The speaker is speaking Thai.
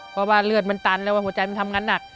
เพราะว่าเลือดมันตันแล้วว่าหัวใจมันทำงานหนัก